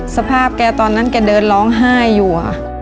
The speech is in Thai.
สภาพแกตอนนั้นแกเดินร้องไห้อยู่ค่ะ